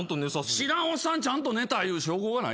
知らんおっさんちゃんと寝たいう証拠がないやん。